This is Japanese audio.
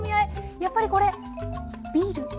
やっぱりこれビールですかね？